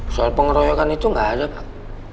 soal pengeroyokan itu nggak ada pak